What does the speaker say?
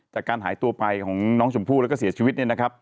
จากการหายตัวไปของน้องสมภูรณ์และเสียชีวิต